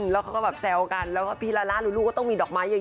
แล้วก็พี่ลาล่ารูลูก็ต้องมีดอกม้ายใหญ่